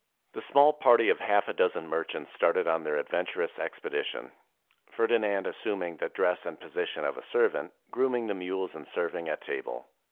The small party of half a dozen merchants started on their adventurous expedition, Ferdinand assuming the dress and position of a servant, grooming the mules and serving at table.